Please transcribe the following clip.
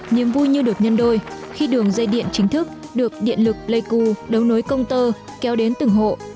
nhiềm vui như được nhân đôi khi đường dây điện chính thức được điện lực pleiku đấu nối công tơ kéo đến từng hộ